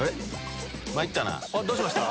どうしました？